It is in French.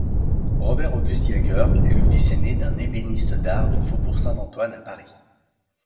Robert-Auguste Jaeger est le fils aîné d'un ébéniste d'art du faubourg Saint-Antoine à Paris.